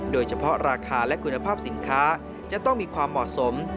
โดยเฉพาะราคาและคุณภาพสินค้าจะต้องมีความเหมาะสม